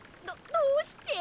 どどうして。